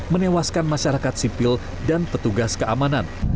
menewaskan masyarakat sipil dan petugas keamanan